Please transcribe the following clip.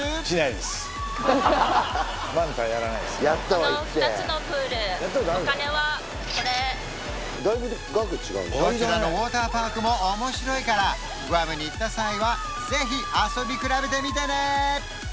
この２つのプールお金はこれどちらのウォーターパークも面白いからグアムに行った際はぜひ遊び比べてみてね